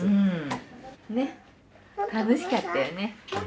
ねっ楽しかったよね。